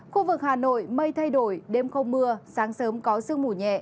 khu vực hà nội mây thay đổi đêm không mưa sáng sớm có sương mù nhẹ